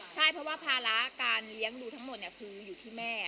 ใช่เพราะว่าภาระการเลี้ยงดูทั้งหมดคืออยู่ที่แม่